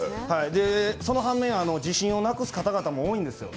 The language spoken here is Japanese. その反面、自信をなくす方々も多いんですよ。